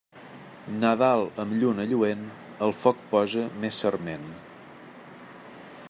Nadal amb lluna lluent, al foc posa més sarment.